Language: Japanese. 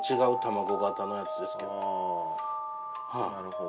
あなるほど。